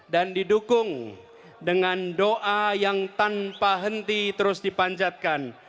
dan didukung dengan doa yang tanpa henti terus dipanjatkan